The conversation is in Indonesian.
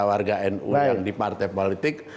warga nu yang di partai politik